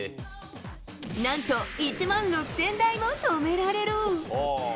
なんと１万６０００台も止められる。